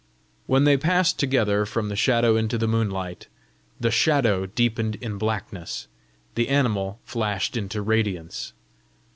When they passed together from the shadow into the moonlight, the Shadow deepened in blackness, the animal flashed into radiance.